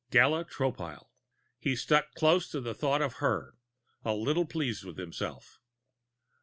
Gala Tropile. He stuck close to the thought of her, a little pleased with himself.